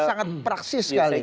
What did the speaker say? sangat praksis sekali